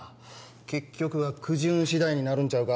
結局はくじ運しだいになるんちゃうか？